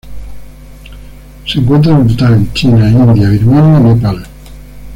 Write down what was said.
Se encuentra en Bután, China, India, Birmania y Nepal.